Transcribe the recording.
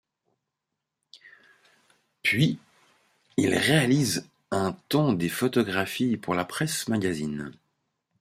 Puis, il réalise un temps des photographies pour la presse magazine.